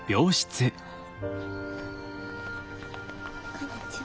こんにちは。